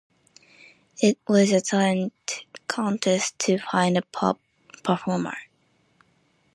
It was a talent contest to find a pop performer.